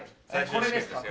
これですか？